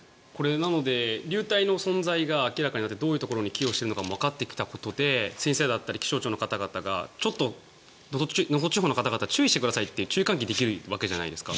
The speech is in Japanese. なので流体の存在が明らかになってどういうところに寄与しているのかもわかってきたところで先生だったり気象庁の方々がちょっと能登地方の方は注意してくださいって注意喚起をできるわけじゃないですか。